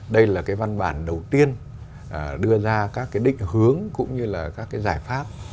đây là văn bản đầu tiên đưa ra các định hướng cũng như là các giải pháp